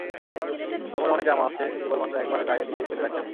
এমন অনেক জামা আছে কেবল মাত্র একবার গায়ে দিয়ে ফেলে রাখি আমি।